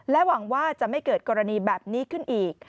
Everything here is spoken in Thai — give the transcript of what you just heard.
หวังว่าจะไม่เกิดกรณีแบบนี้ขึ้นอีก